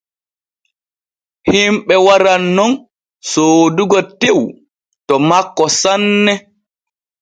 Himɓe waran nun soodugo tew to makko sanne.